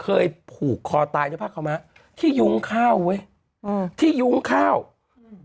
เคยผูกคอตายพอดูวันนี้ที่ยุ้งข้าวพรากฏวอกเมื่อขวดมาซะเกินทางที่นี่